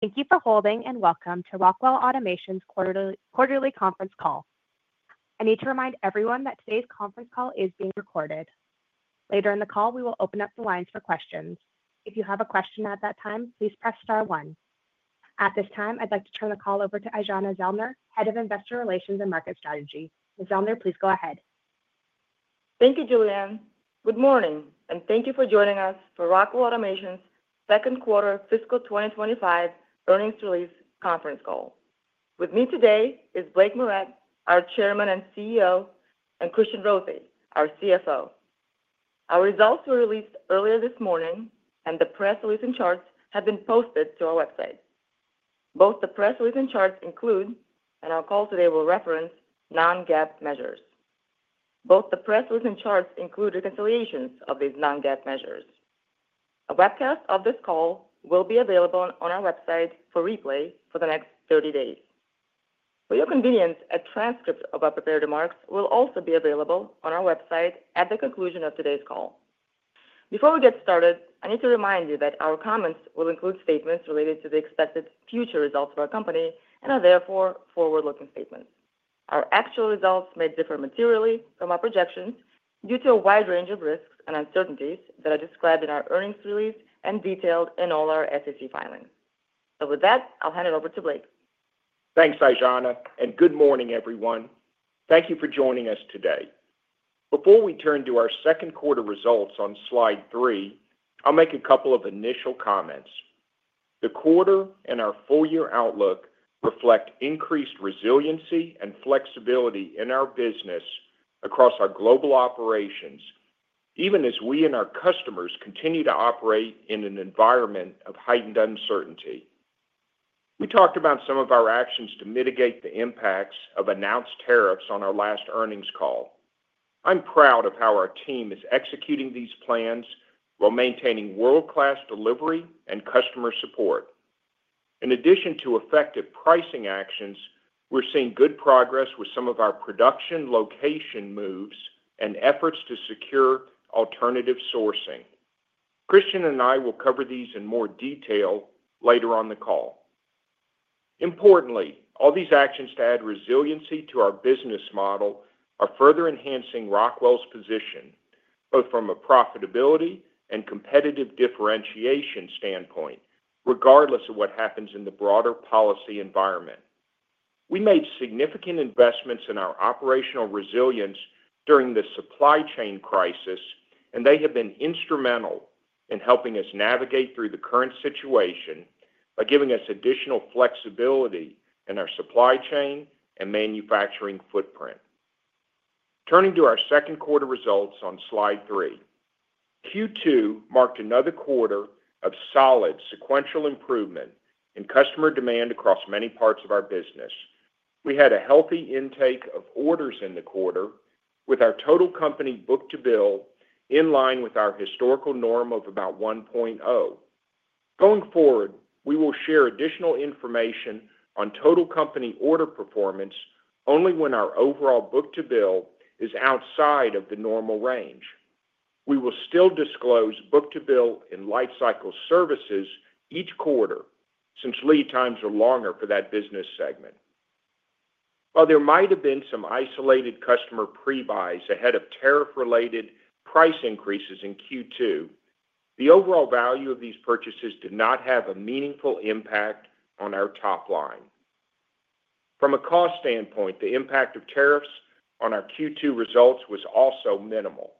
Thank you for holding and welcome to Rockwell Automation's quarterly conference call. I need to remind everyone that today's conference call is being recorded. Later in the call, we will open up the lines for questions. If you have a question at that time, please press star one. At this time, I'd like to turn the call over to Aijana Zellner, Head of Investor Relations and Market Strategy. Ms. Zellner, please go ahead. Thank you, Juliane. Good morning, and thank you for joining us for Rockwell Automation's second quarter fiscal 2025 earnings release conference call. With me today is Blake Moret, our Chairman and CEO, and Christian Rothe, our CFO. Our results were released earlier this morning, and the press release and charts have been posted to our website. Both the press release and charts include, and our call today will reference, non-GAAP measures. Both the press release and charts include reconciliations of these non-GAAP measures. A webcast of this call will be available on our website for replay for the next 30 days. For your convenience, a transcript of our prepared remarks will also be available on our website at the conclusion of today's call. Before we get started, I need to remind you that our comments will include statements related to the expected future results of our company and are therefore forward-looking statements. Our actual results may differ materially from our projections due to a wide range of risks and uncertainties that are described in our earnings release and detailed in all our SEC filings. With that, I'll hand it over to Blake. Thanks, Aijana, and good morning, everyone. Thank you for joining us today. Before we turn to our second quarter results on slide three, I'll make a couple of initial comments. The quarter and our full year outlook reflect increased resiliency and flexibility in our business across our global operations, even as we and our customers continue to operate in an environment of heightened uncertainty. We talked about some of our actions to mitigate the impacts of announced tariffs on our last earnings call. I'm proud of how our team is executing these plans while maintaining world-class delivery and customer support. In addition to effective pricing actions, we're seeing good progress with some of our production location moves and efforts to secure alternative sourcing. Christian and I will cover these in more detail later on the call. Importantly, all these actions to add resiliency to our business model are further enhancing Rockwell's position, both from a profitability and competitive differentiation standpoint, regardless of what happens in the broader policy environment. We made significant investments in our operational resilience during the supply chain crisis, and they have been instrumental in helping us navigate through the current situation by giving us additional flexibility in our supply chain and manufacturing footprint. Turning to our second quarter results on slide three, Q2 marked another quarter of solid sequential improvement in customer demand across many parts of our business. We had a healthy intake of orders in the quarter, with our total company book to bill in line with our historical norm of about 1.0. Going forward, we will share additional information on total company order performance only when our overall book to bill is outside of the normal range. We will still disclose book to bill and Lifecycle Services each quarter since lead times are longer for that business segment. While there might have been some isolated customer pre-buys ahead of tariff-related price increases in Q2, the overall value of these purchases did not have a meaningful impact on our top line. From a cost standpoint, the impact of tariffs on our Q2 results was also minimal.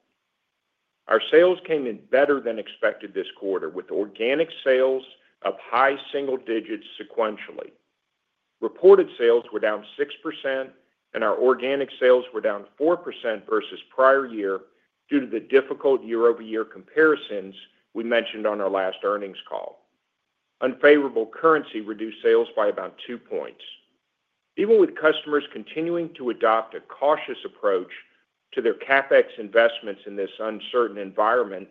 Our sales came in better than expected this quarter, with organic sales of high single digits sequentially. Reported sales were down 6%, and our organic sales were down 4% versus prior year due to the difficult year-over-year comparisons we mentioned on our last earnings call. Unfavorable currency reduced sales by about two points. Even with customers continuing to adopt a cautious approach to their CapEx investments in this uncertain environment,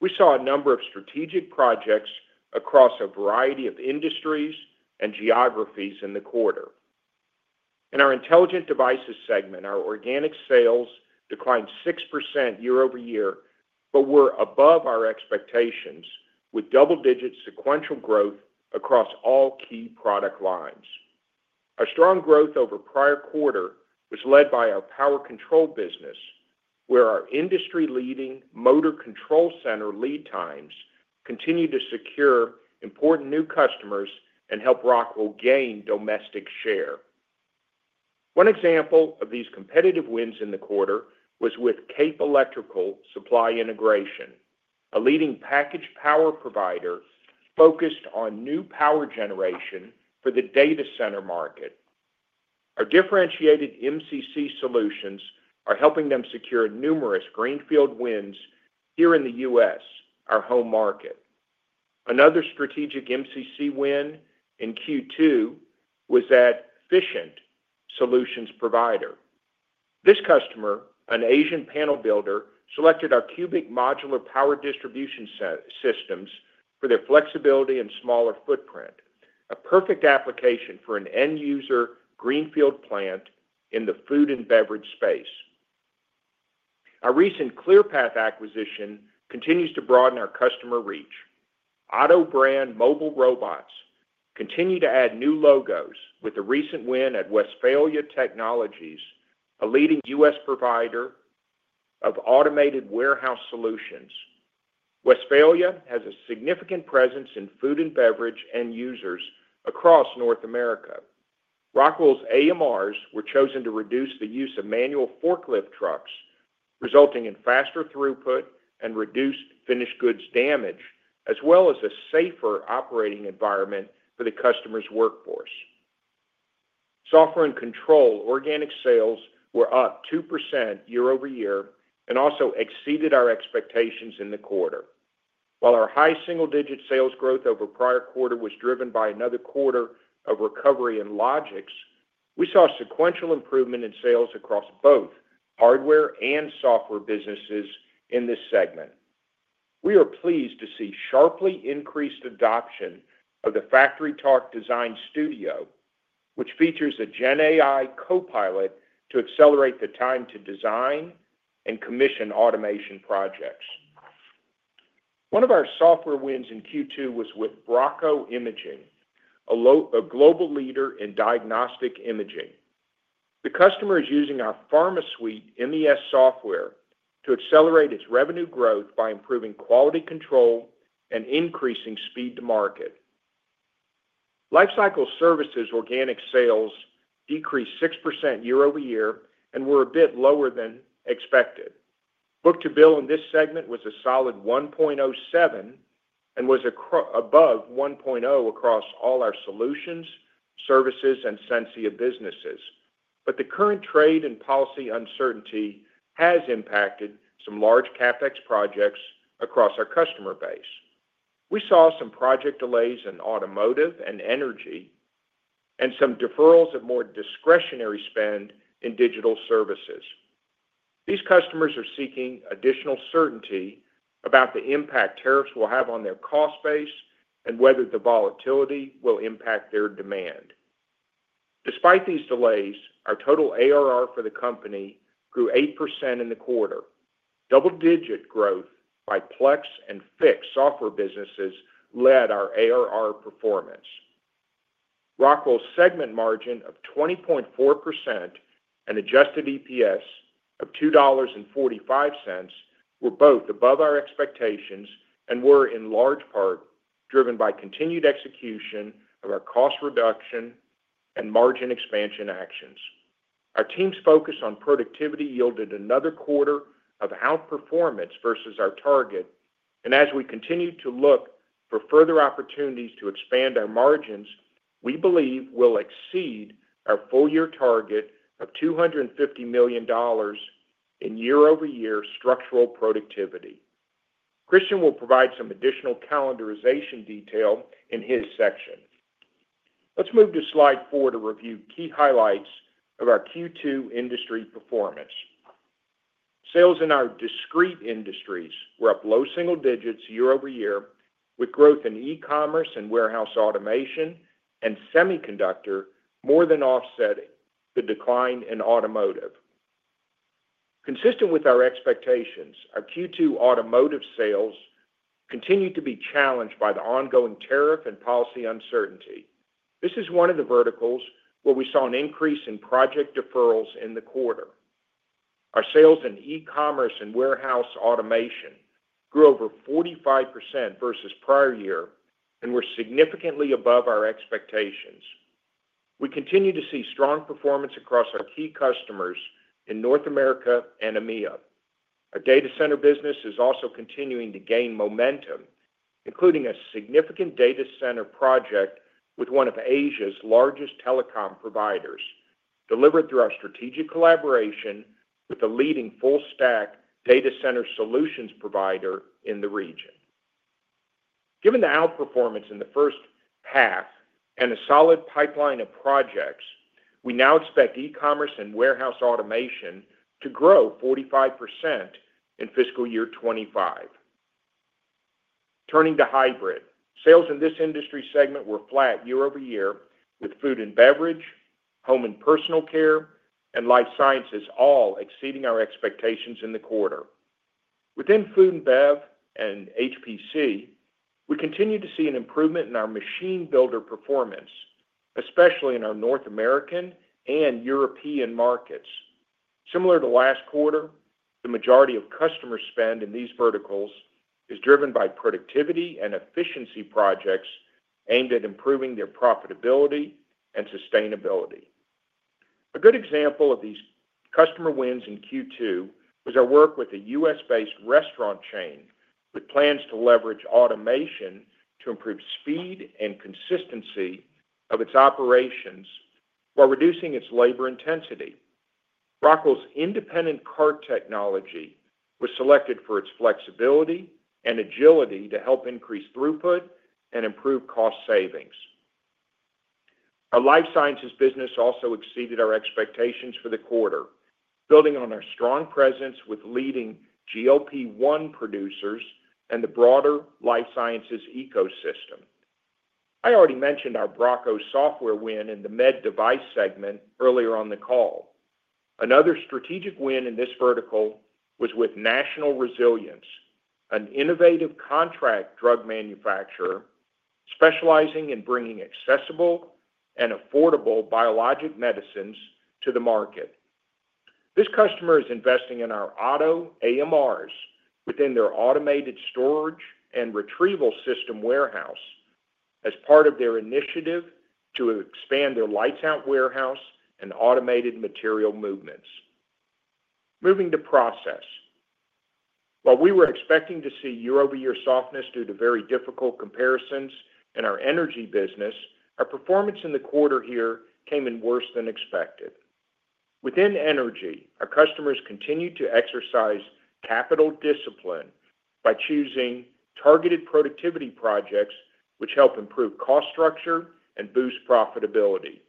we saw a number of strategic projects across a variety of industries and geographies in the quarter. In our Intelligent Devices segment, our organic sales declined 6% year-over-year, but were above our expectations, with double-digit sequential growth across all key product lines. Our strong growth over prior quarter was led by our power control business, where our industry-leading Motor Control Center lead times continue to secure important new customers and help Rockwell gain domestic share. One example of these competitive wins in the quarter was with Cape Electrical Supply Integration, a leading package power provider focused on new power generation for the data center market. Our differentiated MCC solutions are helping them secure numerous greenfield wins here in the U.S., our home market. Another strategic MCC win in Q2 was at Fecient Solutions Provider. This customer, an Asian panel builder, selected our Cubic Modular Power Distribution Systems for their flexibility and smaller footprint, a perfect application for an end-user greenfield plant in the food and beverage space. Our recent Clearpath acquisition continues to broaden our customer reach. OTTO brand mobile robots continue to add new logos, with a recent win at Westfalia Technologies, a leading U.S. provider of automated warehouse solutions. Westfalia has a significant presence in food and beverage end users across North America. Rockwell's AMRs were chosen to reduce the use of manual forklift trucks, resulting in faster throughput and reduced finished goods damage, as well as a safer operating environment for the customer's workforce. Software and control organic sales were up 2% year-over-year and also exceeded our expectations in the quarter. While our high single-digit sales growth over prior quarter was driven by another quarter of recovery in Logix, we saw sequential improvement in sales across both hardware and software businesses in this segment. We are pleased to see sharply increased adoption of the FactoryTalk Design Studio, which features a GenAI copilot to accelerate the time to design and commission automation projects. One of our software wins in Q2 was with Bracco Imaging, a global leader in diagnostic imaging. The customer is using our PharmaSuite MES software to accelerate its revenue growth by improving quality control and increasing speed to market. Lifecycle Services organic sales decreased 6% year-over-year and were a bit lower than expected. Book to bill in this segment was a solid 1.07 and was above 1.0 across all our solutions, services, and Sensia businesses. The current trade and policy uncertainty has impacted some large CapEx projects across our customer base. We saw some project delays in automotive and energy and some deferrals of more discretionary spend in digital services. These customers are seeking additional certainty about the impact tariffs will have on their cost base and whether the volatility will impact their demand. Despite these delays, our total ARR for the company grew 8% in the quarter. Double-digit growth by Plex and Fiix software businesses led our ARR performance. Rockwell's segment margin of 20.4% and adjusted EPS of $2.45 were both above our expectations and were in large part driven by continued execution of our cost reduction and margin expansion actions. Our team's focus on productivity yielded another quarter of outperformance versus our target. As we continue to look for further opportunities to expand our margins, we believe we'll exceed our full year target of $250 million in year-over-year structural productivity. Christian will provide some additional calendarization detail in his section. Let's move to slide four to review key highlights of our Q2 industry performance. Sales in our discrete industries were up low single digits year-over-year, with growth in e-commerce and warehouse automation and semiconductor more than offsetting the decline in automotive. Consistent with our expectations, our Q2 automotive sales continued to be challenged by the ongoing tariff and policy uncertainty. This is one of the verticals where we saw an increase in project deferrals in the quarter. Our sales in e-commerce and warehouse automation grew over 45% versus prior year and were significantly above our expectations. We continue to see strong performance across our key customers in North America and EMEA. Our data center business is also continuing to gain momentum, including a significant data center project with one of Asia's largest telecom providers, delivered through our strategic collaboration with the leading full-stack data center solutions provider in the region. Given the outperformance in the first half and a solid pipeline of projects, we now expect e-commerce and warehouse automation to grow 45% in fiscal year 2025. Turning to hybrid, sales in this industry segment were flat year-over-year, with food and beverage, home and personal care, and life sciences all exceeding our expectations in the quarter. Within food and bev and HPC, we continue to see an improvement in our machine builder performance, especially in our North American and European markets. Similar to last quarter, the majority of customer spend in these verticals is driven by productivity and efficiency projects aimed at improving their profitability and sustainability. A good example of these customer wins in Q2 was our work with a U.S.-based restaurant chain with plans to leverage automation to improve speed and consistency of its operations while reducing its labor intensity. Rockwell's independent cart technology was selected for its flexibility and agility to help increase throughput and improve cost savings. Our life sciences business also exceeded our expectations for the quarter, building on our strong presence with leading GLP-1 producers and the broader life sciences ecosystem. I already mentioned our Bracco software win in the med device segment earlier on the call. Another strategic win in this vertical was with National Resilience, an innovative contract drug manufacturer specializing in bringing accessible and affordable biologic medicines to the market. This customer is investing in our OTTO AMRs within their automated storage and retrieval system warehouse as part of their initiative to expand their lights-out warehouse and automated material movements. Moving to process. While we were expecting to see year-over-year softness due to very difficult comparisons in our energy business, our performance in the quarter here came in worse than expected. Within energy, our customers continued to exercise capital discipline by choosing targeted productivity projects, which help improve cost structure and boost profitability.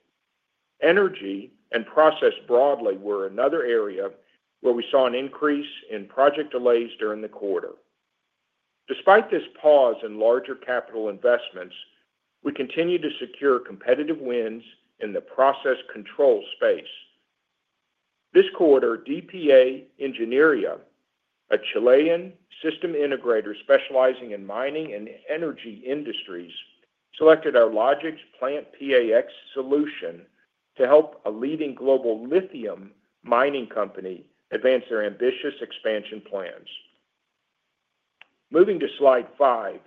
Energy and process broadly were another area where we saw an increase in project delays during the quarter. Despite this pause in larger capital investments, we continue to secure competitive wins in the process control space. This quarter, DPA Ingeniería, a Chilean system integrator specializing in mining and energy industries, selected our Logix PlantPAx solution to help a leading global lithium mining company advance their ambitious expansion plans. Moving to slide five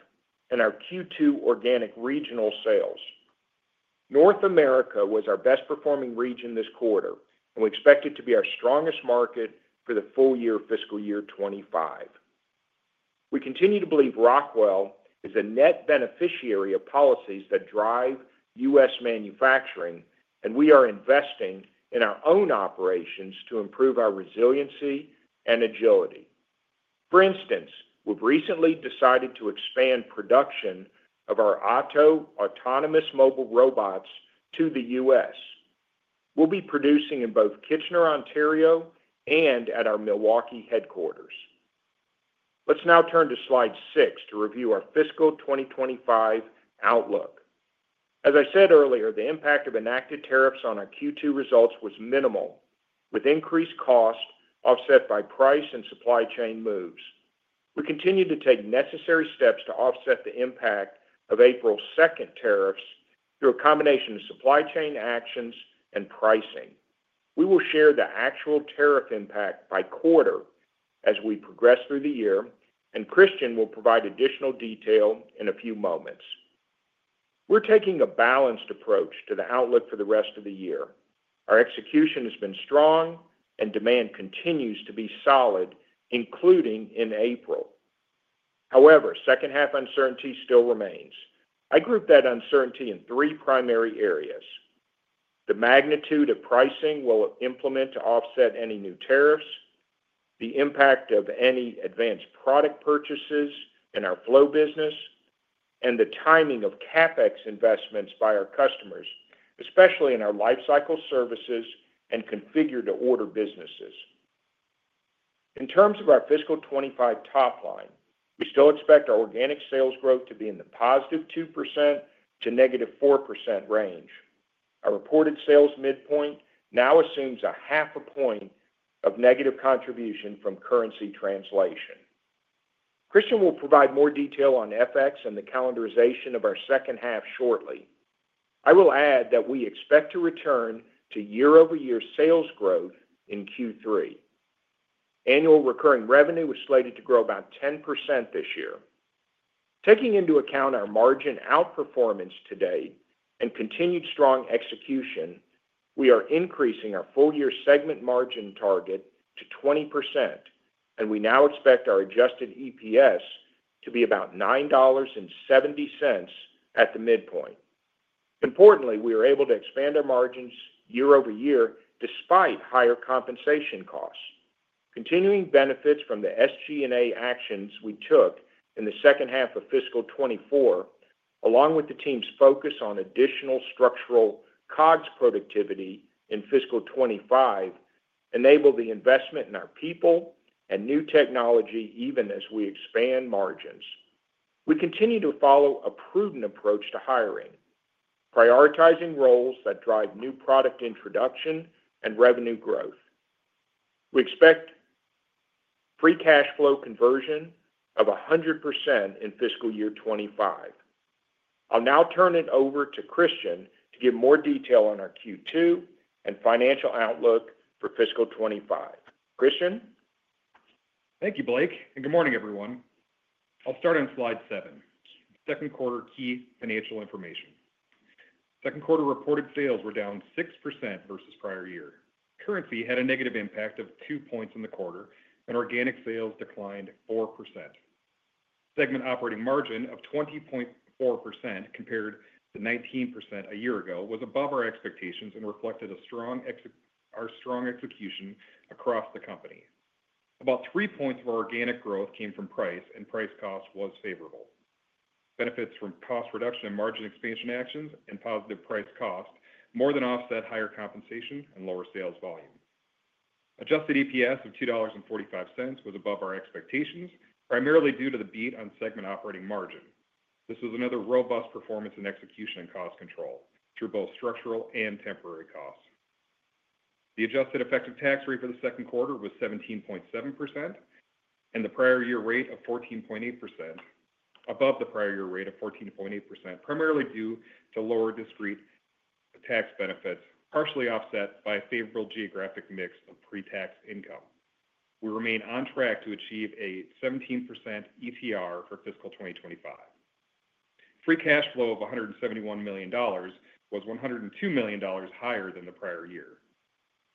and our Q2 organic regional sales. North America was our best-performing region this quarter, and we expect it to be our strongest market for the full year fiscal year 2025. We continue to believe Rockwell is a net beneficiary of policies that drive U.S. manufacturing, and we are investing in our own operations to improve our resiliency and agility. For instance, we've recently decided to expand production of our OTTO autonomous mobile robots to the U.S. We'll be producing in both Kitchener, Ontario and at our Milwaukee headquarters. Let's now turn to slide six to review our fiscal 2025 outlook. As I said earlier, the impact of enacted tariffs on our Q2 results was minimal, with increased costs offset by price and supply chain moves. We continue to take necessary steps to offset the impact of April 2nd tariffs through a combination of supply chain actions and pricing. We will share the actual tariff impact by quarter as we progress through the year, and Christian will provide additional detail in a few moments. We are taking a balanced approach to the outlook for the rest of the year. Our execution has been strong, and demand continues to be solid, including in April. However, second-half uncertainty still remains. I group that uncertainty in three primary areas: the magnitude of pricing we will implement to offset any new tariffs, the impact of any advanced product purchases in our flow business, and the timing of CapEx investments by our customers, especially in our lifecycle services and configured-to-order businesses. In terms of our fiscal 2025 top line, we still expect our organic sales growth to be in the positive 2% to negative 4% range. Our reported sales midpoint now assumes a half a point of negative contribution from currency translation. Christian will provide more detail on FX and the calendarization of our second half shortly. I will add that we expect to return to year-over-year sales growth in Q3. Annual recurring revenue was slated to grow about 10% this year. Taking into account our margin outperformance today and continued strong execution, we are increasing our full year segment margin target to 20%, and we now expect our adjusted EPS to be about $9.70 at the midpoint. Importantly, we are able to expand our margins year-over-year despite higher compensation costs. Continuing benefits from the SG&A actions we took in the second half of fiscal 2024, along with the team's focus on additional structural COGS productivity in fiscal 2025, enable the investment in our people and new technology even as we expand margins. We continue to follow a prudent approach to hiring, prioritizing roles that drive new product introduction and revenue growth. We expect free cash flow conversion of 100% in fiscal year 2025. I'll now turn it over to Christian to give more detail on our Q2 and financial outlook for fiscal 2025. Christian? Thank you, Blake. And good morning, everyone. I'll start on slide seven, second quarter key financial information. Second quarter reported sales were down 6% versus prior year. Currency had a negative impact of 2 points in the quarter, and organic sales declined 4%. Segment operating margin of 20.4% compared to 19% a year ago was above our expectations and reflected our strong execution across the company. About 3 points of organic growth came from price, and price cost was favorable. Benefits from cost reduction and margin expansion actions and positive price cost more than offset higher compensation and lower sales volume. Adjusted EPS of $2.45 was above our expectations, primarily due to the beat on segment operating margin. This was another robust performance in execution and cost control through both structural and temporary costs. The adjusted effective tax rate for the second quarter was 17.7%, above the prior year rate of 14.8%, primarily due to lower discrete tax benefits partially offset by a favorable geographic mix of pre-tax income. We remain on track to achieve a 17% ETR for fiscal 2025. Free cash flow of $171 million was $102 million higher than the prior year.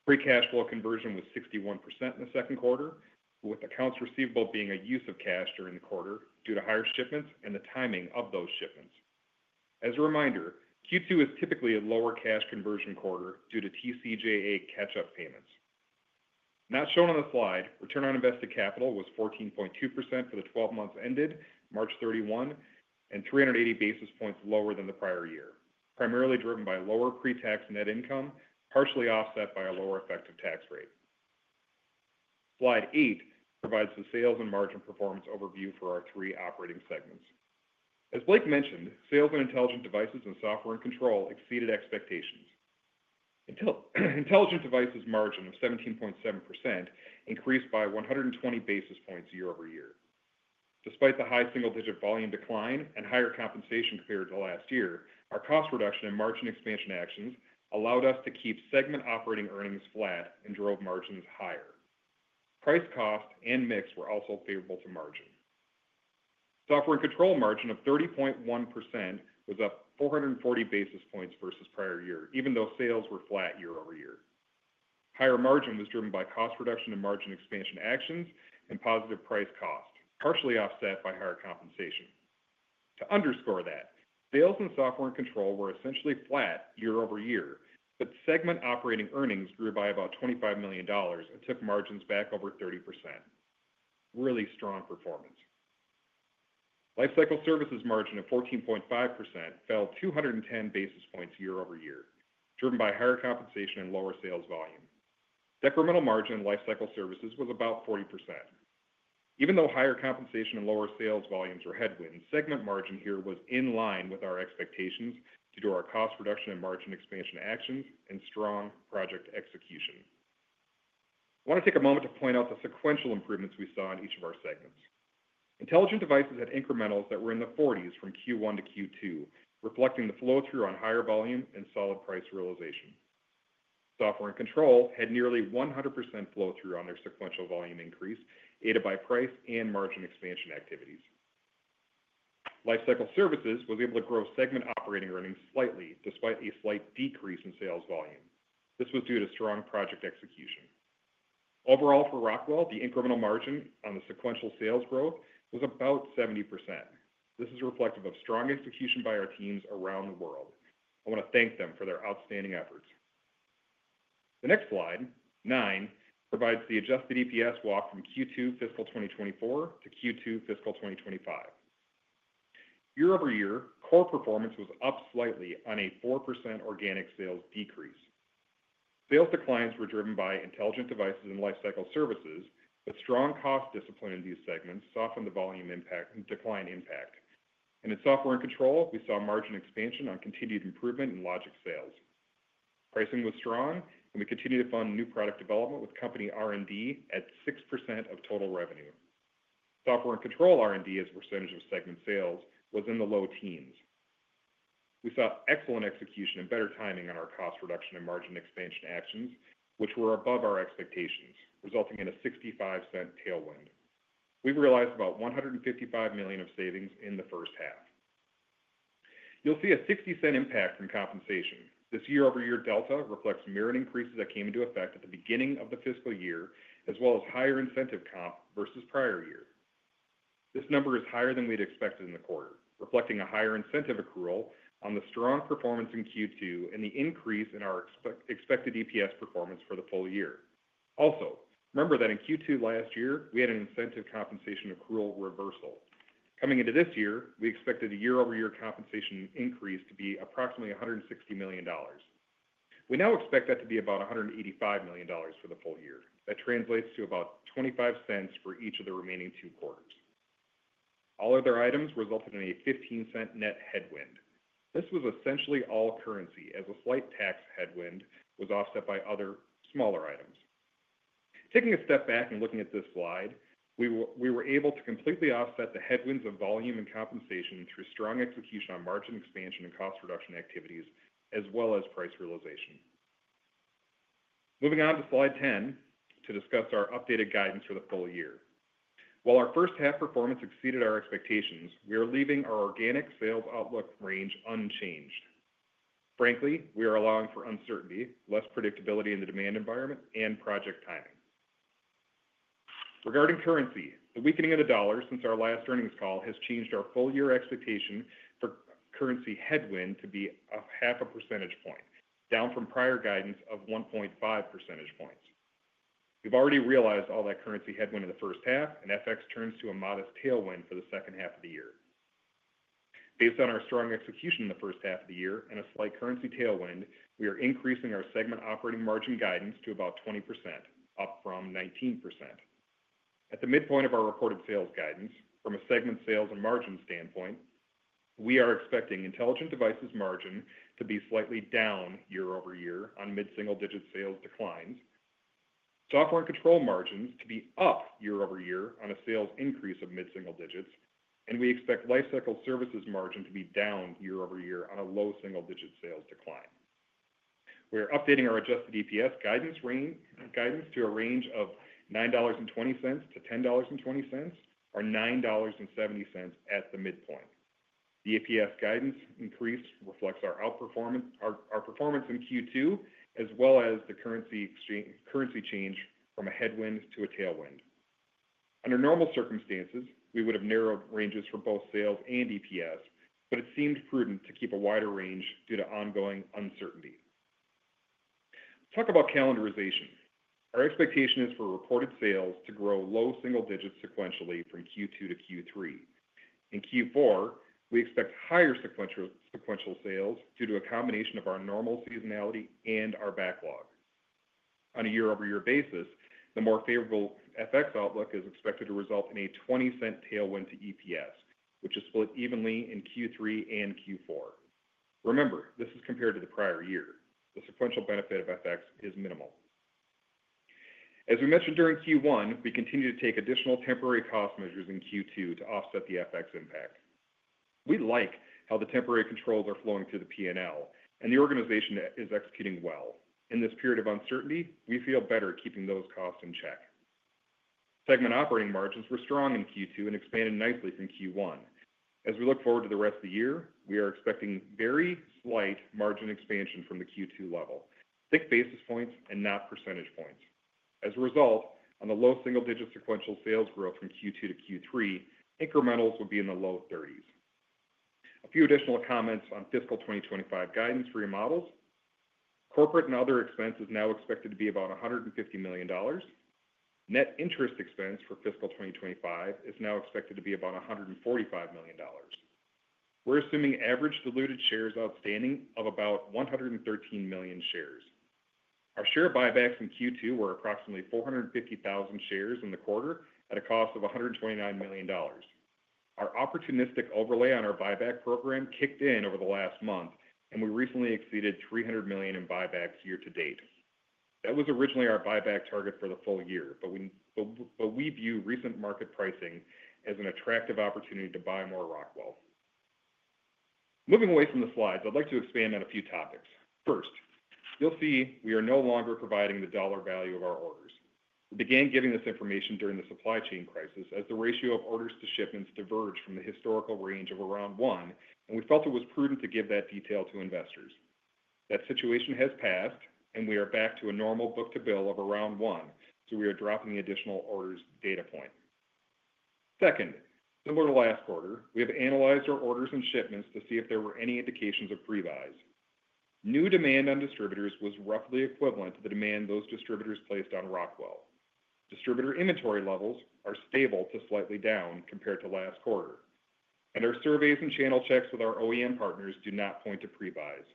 Free cash flow conversion was 61% in the second quarter, with accounts receivable being a use of cash during the quarter due to higher shipments and the timing of those shipments. As a reminder, Q2 is typically a lower cash conversion quarter due to TCJA catch-up payments. Not shown on the slide, return on invested capital was 14.2% for the 12 months ended March 31 and 380 basis points lower than the prior year, primarily driven by lower pre-tax net income partially offset by a lower effective tax rate. Slide eight provides the sales and margin performance overview for our three operating segments. As Blake mentioned, sales in Intelligent Devices and Software and Control exceeded expectations. Intelligent Devices margin of 17.7% increased by 120 basis points year-over-year. Despite the high single-digit volume decline and higher compensation compared to last year, our cost reduction and margin expansion actions allowed us to keep segment operating earnings flat and drove margins higher. Price cost and mix were also favorable to margin. Software and Control margin of 30.1% was up 440 basis points versus prior year, even though sales were flat year-over-year. Higher margin was driven by cost reduction and margin expansion actions and positive price cost partially offset by higher compensation. To underscore that, sales and software and control were essentially flat year-over-year, but segment operating earnings grew by about $25 million and took margins back over 30%. Really strong performance. Lifecycle Services margin of 14.5% fell 210 basis points year-over-year, driven by higher compensation and lower sales volume. Decremental margin in Lifecycle Services was about 40%. Even though higher compensation and lower sales volumes were headwinds, segment margin here was in line with our expectations due to our cost reduction and margin expansion actions and strong project execution. I want to take a moment to point out the sequential improvements we saw in each of our segments. Intelligent devices had incrementals that were in the 40s from Q1 to Q2, reflecting the flow-through on higher volume and solid price realization. Software and control had nearly 100% flow-through on their sequential volume increase, aided by price and margin expansion activities. Lifecycle Services was able to grow segment operating earnings slightly despite a slight decrease in sales volume. This was due to strong project execution. Overall, for Rockwell, the incremental margin on the sequential sales growth was about 70%. This is reflective of strong execution by our teams around the world. I want to thank them for their outstanding efforts. The next slide, nine, provides the adjusted EPS walk from Q2 fiscal 2024 to Q2 fiscal 2025. Year-over-year, core performance was up slightly on a 4% organic sales decrease. Sales declines were driven by intelligent devices and lifecycle services, but strong cost discipline in these segments softened the volume impact and decline impact. In software and control, we saw margin expansion on continued improvement in logic sales. Pricing was strong, and we continued to fund new product development with company R&D at 6% of total revenue. Software and control R&D, as a percentage of segment sales, was in the low teens. We saw excellent execution and better timing on our cost reduction and margin expansion actions, which were above our expectations, resulting in a $0.65 tailwind. We realized about $155 million of savings in the first half. You'll see a $0.60 impact from compensation. This year-over-year delta reflects merit increases that came into effect at the beginning of the fiscal year, as well as higher incentive comp versus prior year. This number is higher than we had expected in the quarter, reflecting a higher incentive accrual on the strong performance in Q2 and the increase in our expected EPS performance for the full year. Also, remember that in Q2 last year, we had an incentive compensation accrual reversal. Coming into this year, we expected a year-over-year compensation increase to be approximately $160 million. We now expect that to be about $185 million for the full year. That translates to about $0.25 for each of the remaining two quarters. All other items resulted in a $0.15 net headwind. This was essentially all currency, as a slight tax headwind was offset by other smaller items. Taking a step back and looking at this slide, we were able to completely offset the headwinds of volume and compensation through strong execution on margin expansion and cost reduction activities, as well as price realization. Moving on to slide 10 to discuss our updated guidance for the full year. While our first half performance exceeded our expectations, we are leaving our organic sales outlook range unchanged. Frankly, we are allowing for uncertainty, less predictability in the demand environment, and project timing. Regarding currency, the weakening of the dollar since our last earnings call has changed our full year expectation for currency headwind to be a half a percentage point, down from prior guidance of 1.5 percentage points. We've already realized all that currency headwind in the first half, and FX turns to a modest tailwind for the second half of the year. Based on our strong execution in the first half of the year and a slight currency tailwind, we are increasing our segment operating margin guidance to about 20%, up from 19%. At the midpoint of our reported sales guidance, from a segment sales and margin standpoint, we are expecting intelligent devices margin to be slightly down year-over-year on mid-single digit sales declines, software and control margins to be up year-over-year on a sales increase of mid-single digits, and we expect lifecycle services margin to be down year-over-year on a low single digit sales decline. We are updating our adjusted EPS guidance to a range of $9.20-$10.20, or $9.70 at the midpoint. The EPS guidance increase reflects our performance in Q2, as well as the currency change from a headwind to a tailwind. Under normal circumstances, we would have narrowed ranges for both sales and EPS, but it seemed prudent to keep a wider range due to ongoing uncertainty. Let's talk about calendarization. Our expectation is for reported sales to grow low single digits sequentially from Q2 to Q3. In Q4, we expect higher sequential sales due to a combination of our normal seasonality and our backlog. On a year-over-year basis, the more favorable FX outlook is expected to result in a $0.20 tailwind to EPS, which is split evenly in Q3 and Q4. Remember, this is compared to the prior year. The sequential benefit of FX is minimal. As we mentioned during Q1, we continue to take additional temporary cost measures in Q2 to offset the FX impact. We like how the temporary controls are flowing through the P&L, and the organization is executing well. In this period of uncertainty, we feel better keeping those costs in check. Segment operating margins were strong in Q2 and expanded nicely from Q1. As we look forward to the rest of the year, we are expecting very slight margin expansion from the Q2 level, tick basis points and not percentage points. As a result, on the low single digit sequential sales growth from Q2 to Q3, incrementals would be in the low 30s. A few additional comments on fiscal 2025 guidance for your models. Corporate and other expenses now expected to be about $150 million. Net interest expense for fiscal 2025 is now expected to be about $145 million. We're assuming average diluted shares outstanding of about 113 million shares. Our share buybacks in Q2 were approximately 450,000 shares in the quarter at a cost of $129 million. Our opportunistic overlay on our buyback program kicked in over the last month, and we recently exceeded $300 million in buybacks year to date. That was originally our buyback target for the full year, but we view recent market pricing as an attractive opportunity to buy more Rockwell. Moving away from the slides, I'd like to expand on a few topics. First, you'll see we are no longer providing the dollar value of our orders. We began giving this information during the supply chain crisis as the ratio of orders to shipments diverged from the historical range of around one, and we felt it was prudent to give that detail to investors. That situation has passed, and we are back to a normal book to bill of around one, so we are dropping the additional orders data point. Second, similar to last quarter, we have analyzed our orders and shipments to see if there were any indications of prebuys. New demand on distributors was roughly equivalent to the demand those distributors placed on Rockwell. Distributor inventory levels are stable to slightly down compared to last quarter, and our surveys and channel checks with our OEM partners do not point to prebuys.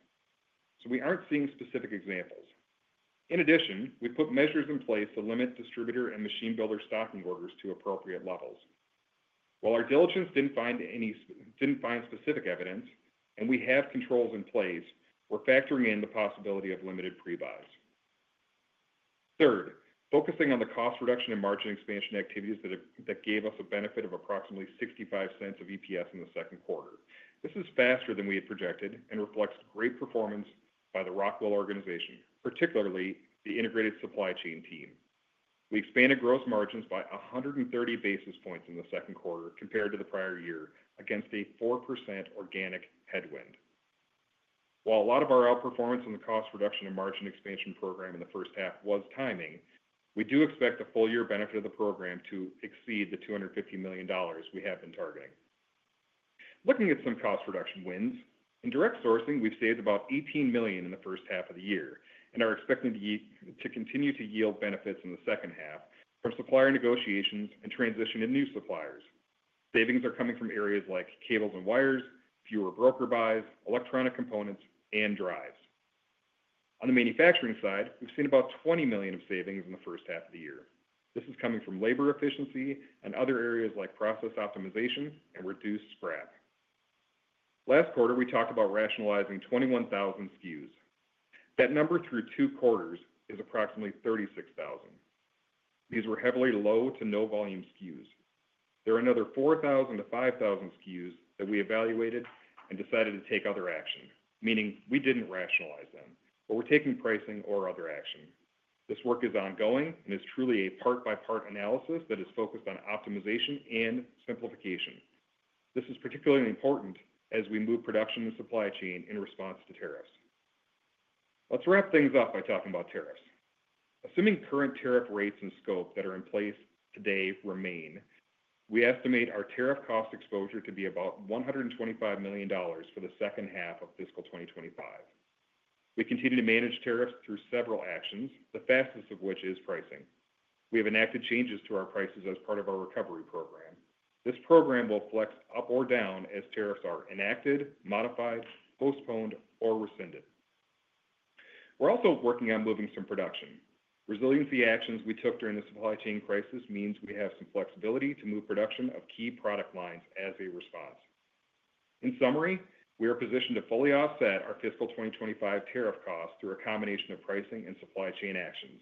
We aren't seeing specific examples. In addition, we put measures in place to limit distributor and machine builder stocking orders to appropriate levels. While our diligence did not find specific evidence, and we have controls in place, we are factoring in the possibility of limited prebuys. Third, focusing on the cost reduction and margin expansion activities that gave us a benefit of approximately $0.65 of EPS in the second quarter. This is faster than we had projected and reflects great performance by the Rockwell organization, particularly the integrated supply chain team. We expanded gross margins by 130 basis points in the second quarter compared to the prior year against a 4% organic headwind. While a lot of our outperformance in the cost reduction and margin expansion program in the first half was timing, we do expect the full year benefit of the program to exceed the $250 million we have been targeting. Looking at some cost reduction wins, in direct sourcing, we've saved about $18 million in the first half of the year and are expected to continue to yield benefits in the second half from supplier negotiations and transition to new suppliers. Savings are coming from areas like cables and wires, fewer broker buys, electronic components, and drives. On the manufacturing side, we've seen about $20 million of savings in the first half of the year. This is coming from labor efficiency and other areas like process optimization and reduced scrap. Last quarter, we talked about rationalizing 21,000 SKUs. That number through two quarters is approximately 36,000. These were heavily low to no volume SKUs. There are another 4,000 SKUs-5,000 SKUs that we evaluated and decided to take other action, meaning we didn't rationalize them, but we're taking pricing or other action. This work is ongoing and is truly a part-by-part analysis that is focused on optimization and simplification. This is particularly important as we move production and supply chain in response to tariffs. Let's wrap things up by talking about tariffs. Assuming current tariff rates and scope that are in place today remain, we estimate our tariff cost exposure to be about $125 million for the second half of fiscal 2025. We continue to manage tariffs through several actions, the fastest of which is pricing. We have enacted changes to our prices as part of our recovery program. This program will flex up or down as tariffs are enacted, modified, postponed, or rescinded. We're also working on moving some production. Resiliency actions we took during the supply chain crisis means we have some flexibility to move production of key product lines as a response. In summary, we are positioned to fully offset our fiscal 2025 tariff costs through a combination of pricing and supply chain actions.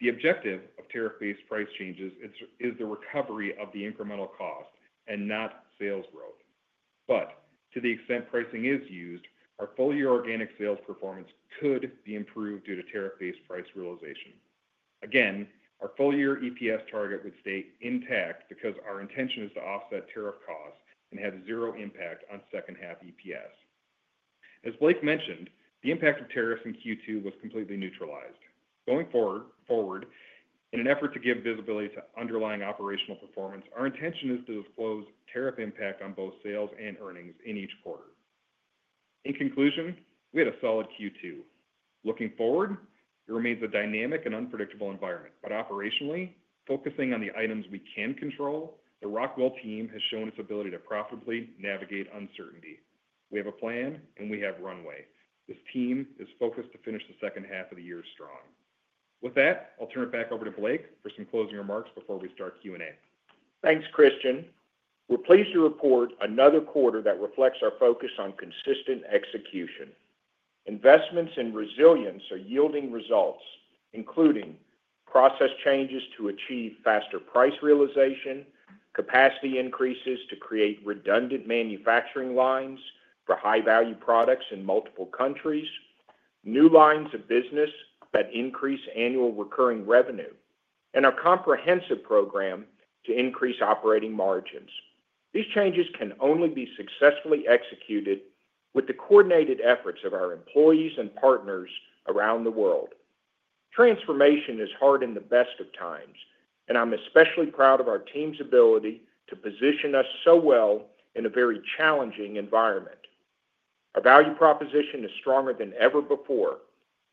The objective of tariff-based price changes is the recovery of the incremental cost and not sales growth. To the extent pricing is used, our full year organic sales performance could be improved due to tariff-based price realization. Again, our full year EPS target would stay intact because our intention is to offset tariff costs and have zero impact on second half EPS. As Blake mentioned, the impact of tariffs in Q2 was completely neutralized. Going forward, in an effort to give visibility to underlying operational performance, our intention is to disclose tariff impact on both sales and earnings in each quarter. In conclusion, we had a solid Q2. Looking forward, it remains a dynamic and unpredictable environment, but operationally, focusing on the items we can control, the Rockwell team has shown its ability to profitably navigate uncertainty. We have a plan, and we have runway. This team is focused to finish the second half of the year strong. With that, I'll turn it back over to Blake for some closing remarks before we start Q&A. Thanks, Christian. We're pleased to report another quarter that reflects our focus on consistent execution. Investments in resilience are yielding results, including process changes to achieve faster price realization, capacity increases to create redundant manufacturing lines for high-value products in multiple countries, new lines of business that increase annual recurring revenue, and a comprehensive program to increase operating margins. These changes can only be successfully executed with the coordinated efforts of our employees and partners around the world. Transformation is hard in the best of times, and I'm especially proud of our team's ability to position us so well in a very challenging environment. Our value proposition is stronger than ever before,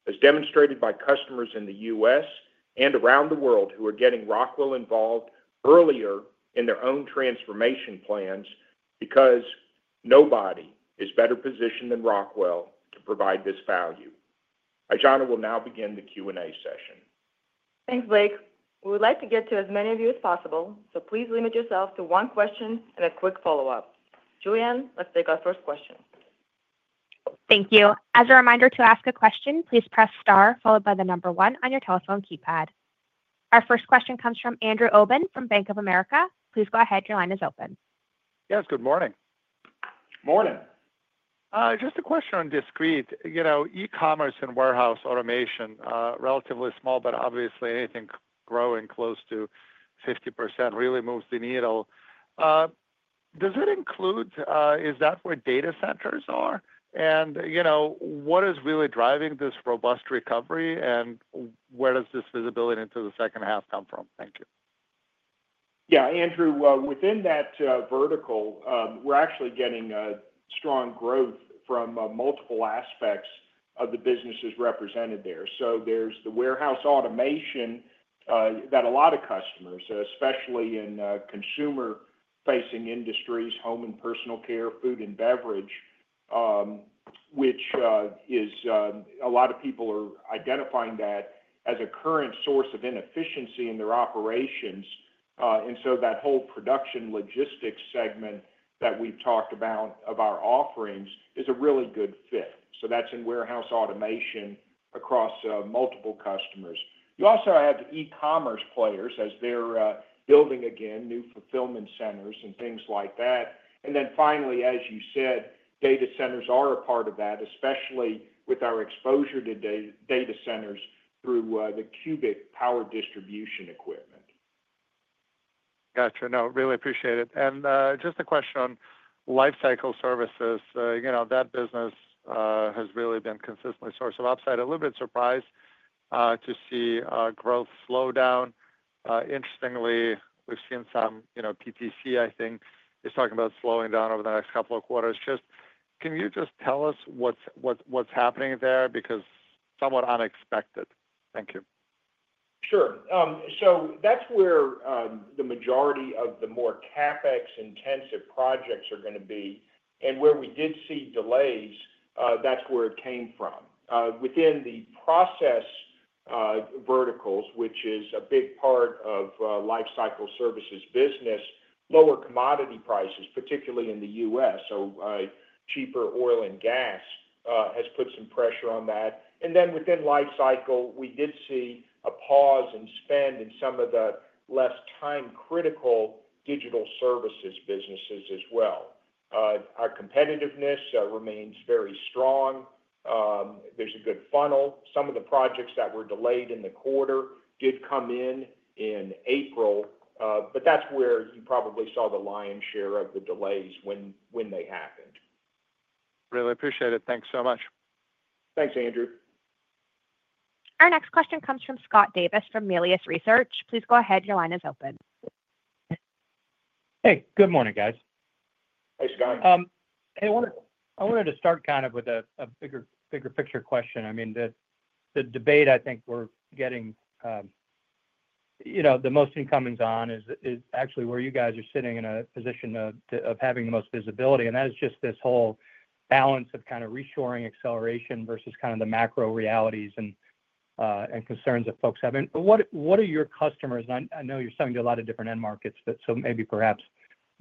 as demonstrated by customers in the U.S. and around the world who are getting Rockwell involved earlier in their own transformation plans because nobody is better positioned than Rockwell to provide this value. Aijana will now begin the Q&A session. Thanks, Blake. We would like to get to as many of you as possible, so please limit yourself to one question and a quick follow-up. Juliane, let's take our first question. Thank you. As a reminder to ask a question, please press star followed by the number one on your telephone keypad. Our first question comes from Andrew Obin from Bank of America. Please go ahead. Your line is open. Yes, good morning. Morning. Just a question on discrete. You know, e-commerce and warehouse automation, relatively small, but obviously anything growing close to 50% really moves the needle. Does it include—is that where data centers are? You know, what is really driving this robust recovery, and where does this visibility into the second half come from? Thank you. Yeah, Andrew, within that vertical, we're actually getting strong growth from multiple aspects of the businesses represented there. There is the warehouse automation that a lot of customers, especially in consumer-facing industries, home and personal care, food and beverage, which is a lot of people are identifying that as a current source of inefficiency in their operations. That whole production logistics segment that we've talked about of our offerings is a really good fit. That is in warehouse automation across multiple customers. You also have e-commerce players as they're building again new fulfillment centers and things like that. Finally, as you said, data centers are a part of that, especially with our exposure to data centers through the qubit power distribution equipment. Gotcha. No, really appreciate it. Just a question on lifecycle services. You know, that business has really been consistently a source of upside. A little bit surprised to see growth slow down. Interestingly, we've seen some PPC, I think, is talking about slowing down over the next couple of quarters. Can you just tell us what's happening there? Because somewhat unexpected. Thank you. Sure. That's where the majority of the more CapEx-intensive projects are going to be. Where we did see delays, that's where it came from. Within the process verticals, which is a big part of lifecycle services business, lower commodity prices, particularly in the U.S. Cheaper oil and gas has put some pressure on that. Within lifecycle, we did see a pause and spend in some of the less time-critical digital services businesses as well. Our competitiveness remains very strong. There is a good funnel. Some of the projects that were delayed in the quarter did come in in April, but that is where you probably saw the lion's share of the delays when they happened. Really appreciate it. Thanks so much. Thanks, Andrew. Our next question comes from Scott Davis from Melius Research. Please go ahead. Your line is open. Hey, good morning, guys. Hey, Scott. Hey, I wanted to start kind of with a bigger picture question. I mean, the debate I think we're getting, you know, the most incomings on is actually where you guys are sitting in a position of having the most visibility. That is just this whole balance of kind of reshoring acceleration versus kind of the macro realities and concerns that folks have. What are your customers? I know you're selling to a lot of different end markets, so maybe perhaps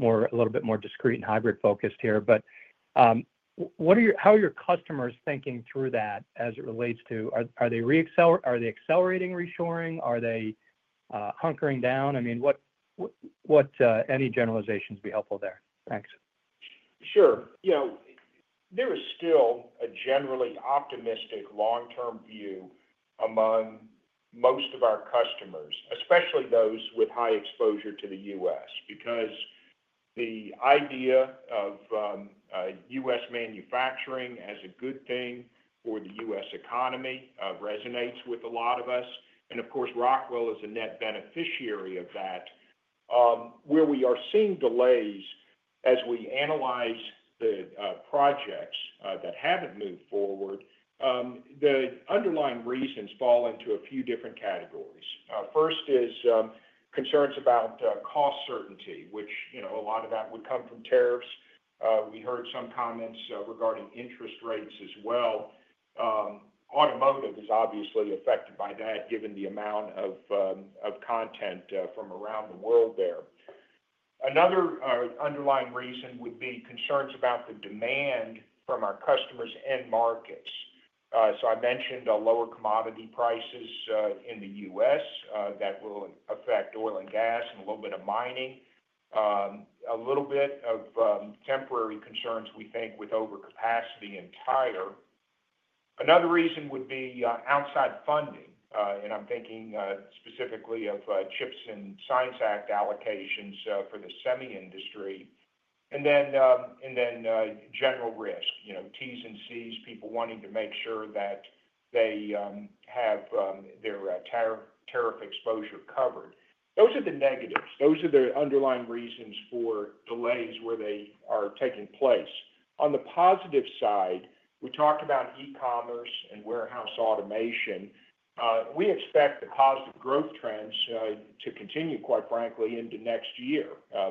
a little bit more discrete and hybrid-focused here. How are your customers thinking through that as it relates to, are they accelerating reshoring? Are they hunkering down? I mean, what any generalizations would be helpful there. Thanks. Sure. You know, there is still a generally optimistic long-term view among most of our customers, especially those with high exposure to the U.S., because the idea of U.S. manufacturing as a good thing for the U.S. Economy resonates with a lot of us. Of course, Rockwell is a net beneficiary of that. Where we are seeing delays as we analyze the projects that have not moved forward, the underlying reasons fall into a few different categories. First is concerns about cost certainty, which, you know, a lot of that would come from tariffs. We heard some comments regarding interest rates as well. Automotive is obviously affected by that, given the amount of content from around the world there. Another underlying reason would be concerns about the demand from our customers and markets. I mentioned lower commodity prices in the U.S. that will affect oil and gas and a little bit of mining. A little bit of temporary concerns, we think, with overcapacity and tire. Another reason would be outside funding. I am thinking specifically of CHIPS and Science Act allocations for the semi industry. General risk, you know, T's and C's, people wanting to make sure that they have their tariff exposure covered. Those are the negatives. Those are the underlying reasons for delays where they are taking place. On the positive side, we talked about e-commerce and warehouse automation. We expect the positive growth trends to continue, quite frankly, into next year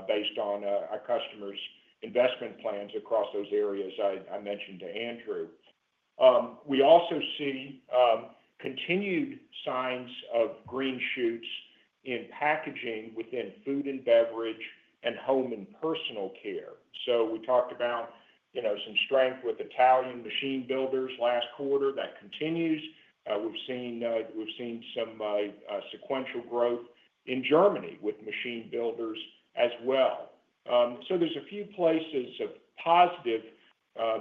based on our customers' investment plans across those areas I mentioned to Andrew. We also see continued signs of green shoots in packaging within food and beverage and home and personal care. You know, some strength with Italian machine builders last quarter continues. We have seen some sequential growth in Germany with machine builders as well. There are a few places of positive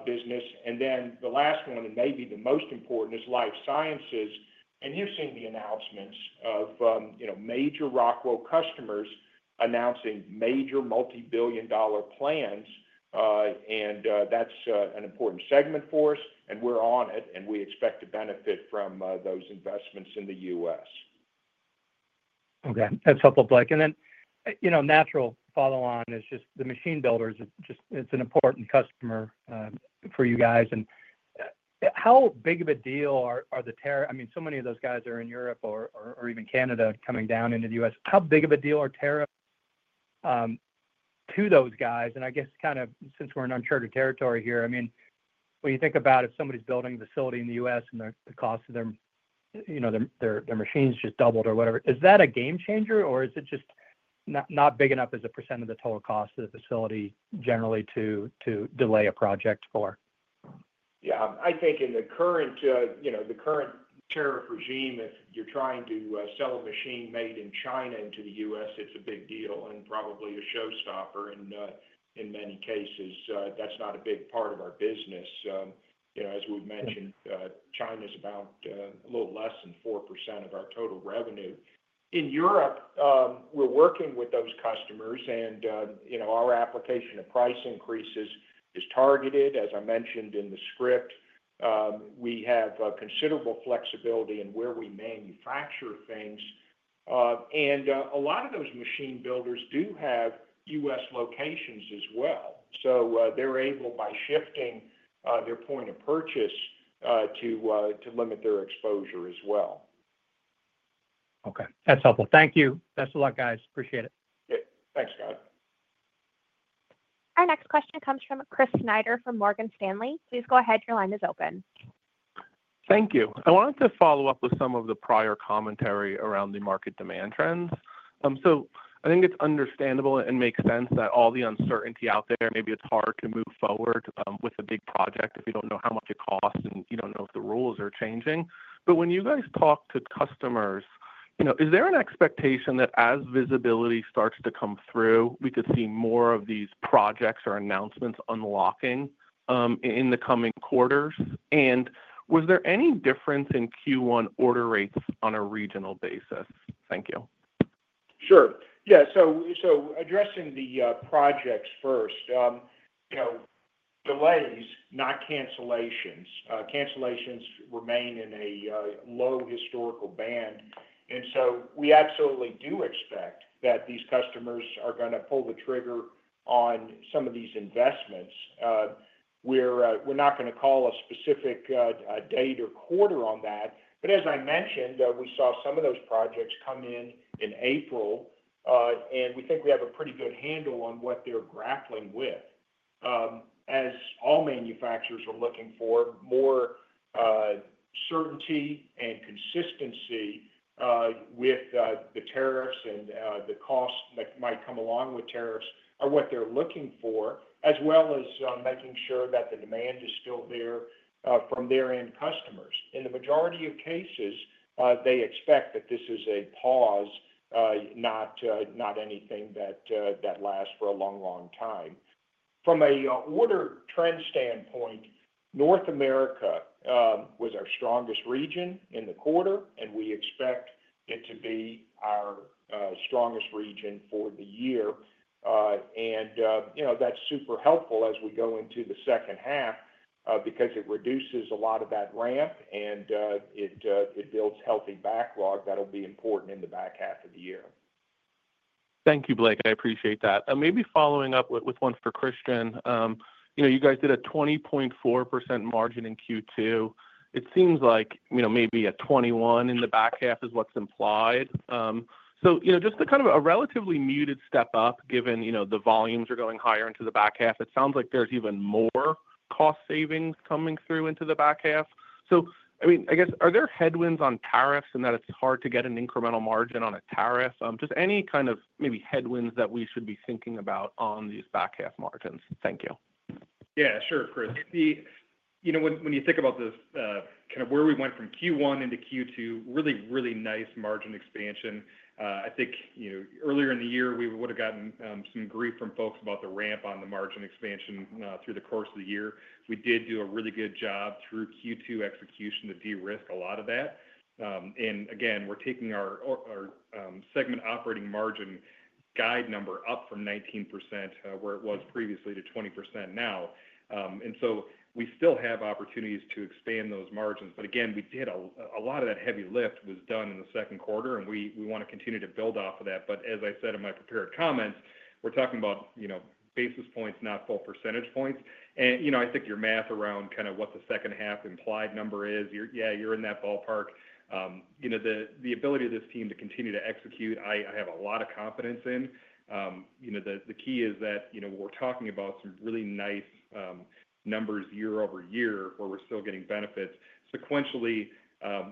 business. The last one, and maybe the most important, is life sciences. You've seen the announcements of, you know, major Rockwell customers announcing major multi-billion dollar plans. That's an important segment for us. We're on it. We expect to benefit from those investments in the U.S. Okay. That's helpful, Blake. You know, natural follow-on is just the machine builders is just, it's an important customer for you guys. How big of a deal are the tariffs? I mean, so many of those guys are in Europe or even Canada coming down into the U.S. How big of a deal are tariffs to those guys? I guess kind of since we're in uncharted territory here, I mean, when you think about if somebody's building a facility in the U.S. and the cost of their, you know, their machines just doubled or whatever, is that a game changer? Or is it just not big enough as a percent of the total cost of the facility generally to delay a project for? Yeah, I think in the current, you know, the current tariff regime, if you're trying to sell a machine made in China into the U.S., it's a big deal and probably a showstopper in many cases. That's not a big part of our business. You know, as we've mentioned, China's about a little less than 4% of our total revenue. In Europe, we're working with those customers. You know, our application of price increases is targeted, as I mentioned in the script. We have considerable flexibility in where we manufacture things. A lot of those machine builders do have U.S. locations as well. They are able, by shifting their point of purchase, to limit their exposure as well. Okay. That's helpful. Thank you. That's a lot, guys. Appreciate it. Thanks, Scott. Our next question comes from Chris Snyder from Morgan Stanley. Please go ahead. Your line is open. Thank you. I wanted to follow up with some of the prior commentary around the market demand trends. I think it's understandable and makes sense that all the uncertainty out there, maybe it's hard to move forward with a big project if you don't know how much it costs and you don't know if the rules are changing. When you guys talk to customers, you know, is there an expectation that as visibility starts to come through, we could see more of these projects or announcements unlocking in the coming quarters? Was there any difference in Q1 order rates on a regional basis? Thank you. Sure. Yeah. Addressing the projects first, you know, delays, not cancellations. Cancellations remain in a low historical band. We absolutely do expect that these customers are going to pull the trigger on some of these investments. We're not going to call a specific date or quarter on that. As I mentioned, we saw some of those projects come in in April. We think we have a pretty good handle on what they're grappling with. All manufacturers are looking for more certainty and consistency with the tariffs and the costs that might come along with tariffs are what they're looking for, as well as making sure that the demand is still there from their end customers. In the majority of cases, they expect that this is a pause, not anything that lasts for a long, long time. From an order trend standpoint, North America was our strongest region in the quarter, and we expect it to be our strongest region for the year. You know, that's super helpful as we go into the second half because it reduces a lot of that ramp and it builds healthy backlog that'll be important in the back half of the year. Thank you, Blake. I appreciate that. Maybe following up with one for Christian. You know, you guys did a 20.4% margin in Q2. It seems like, you know, maybe a 21% in the back half is what's implied. You know, just kind of a relatively muted step up given, you know, the volumes are going higher into the back half. It sounds like there's even more cost savings coming through into the back half. I mean, I guess, are there headwinds on tariffs and that it's hard to get an incremental margin on a tariff? Just any kind of maybe headwinds that we should be thinking about on these back half margins? Thank you. Yeah, sure, Chris. You know, when you think about the kind of where we went from Q1 into Q2, really, really nice margin expansion. I think, you know, earlier in the year, we would have gotten some grief from folks about the ramp on the margin expansion through the course of the year. We did do a really good job through Q2 execution to de-risk a lot of that. Again, we're taking our segment operating margin guide number up from 19% where it was previously to 20% now. We still have opportunities to expand those margins. Again, we did a lot of that heavy lift was done in the second quarter. We want to continue to build off of that. As I said in my prepared comments, we're talking about, you know, basis points, not full percentage points. I think your math around kind of what the second half implied number is, yeah, you're in that ballpark. The ability of this team to continue to execute, I have a lot of confidence in. The key is that, you know, we're talking about some really nice numbers year over year where we're still getting benefits. Sequentially,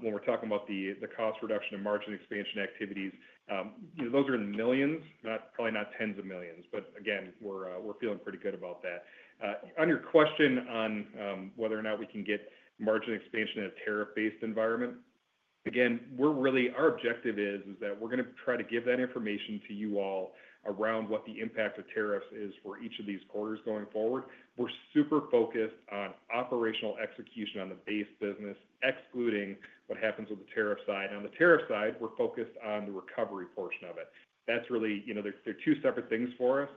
when we're talking about the cost reduction and margin expansion activities, you know, those are in the millions, probably not tens of millions. Again, we're feeling pretty good about that. On your question on whether or not we can get margin expansion in a tariff-based environment, again, we're really, our objective is that we're going to try to give that information to you all around what the impact of tariffs is for each of these quarters going forward. We're super focused on operational execution on the base business, excluding what happens with the tariff side. On the tariff side, we're focused on the recovery portion of it. That's really, you know, they're two separate things for us: